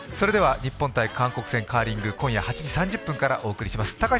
日本×韓国戦、カーリング今夜８時３０分からお送りします。